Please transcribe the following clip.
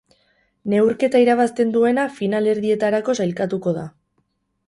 Neurketa irabazten duena finalerdietarako sailkatuko da.